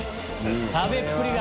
食べっぷりが。